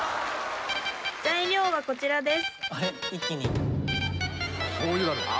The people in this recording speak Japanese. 「材料はこちらです」